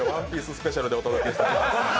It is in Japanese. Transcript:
スペシャルでお届けしています。